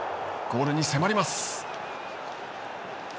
ゴールに迫ります。